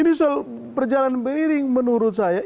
ini soal perjalanan beriring menurut saya